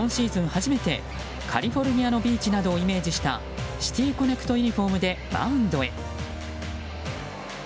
初めてカリフォルニアのビーチなどをイメージしたシティ・コネクト・ユニホームでマウンドへ。